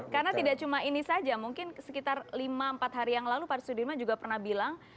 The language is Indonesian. karena tidak cuma ini saja mungkin sekitar lima empat hari yang lalu pak sudirman juga pernah bilang